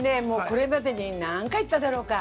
これまでに何回行っただろうか。